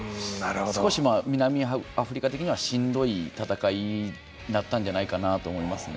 少し南アフリカ的にはしんどい戦いになったんじゃないかと思いますね。